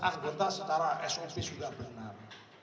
anggota secara sop sudah benar